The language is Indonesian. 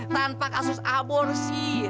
tanpa kasus aborsi